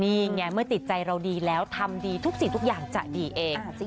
นี่ไงเมื่อติดใจเราดีแล้วทำดีทุกสิ่งทุกอย่างจะดีเอง